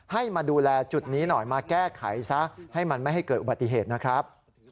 ให้มาดูแลจุดนี้หน่อยมาแก้ไขซะให้มันไม่ให้เกิดอุบัติเหตุนะครับ